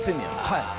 はい。